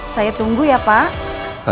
saya tunggu ya pak